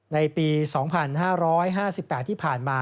ในปี๒๕๕๘ที่ผ่านมา